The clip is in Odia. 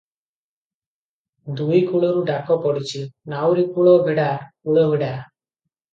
ଦୁଇ କୂଳରୁ ଡାକ ପଡିଛି, "ନାଉରୀ କୂଳ ଭିଡ଼ା, କୂଳ ଭିଡ଼ା ।"